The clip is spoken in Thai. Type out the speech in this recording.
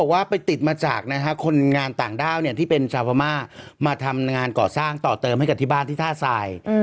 มีอาการไอแล้วก็บางครั้งก็ใส่แมสบางครั้งก็ไม่ใส่แมสไม่ได้ใส่